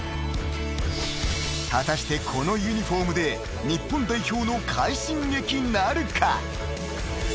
［果たしてこのユニフォームで日本代表の快進撃なるか？］